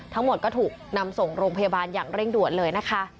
ทั้งหมดก็ถูกนำส่งโรงพยาบาลอย่างเร่งด่วนเลยนะคะ